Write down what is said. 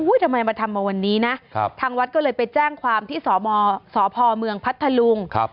ทำไมมาทำมาวันนี้นะทางวัดก็เลยไปแจ้งความที่สพเมืองพัทธลุง